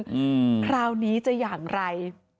อืมคราวนี้จะอย่างไร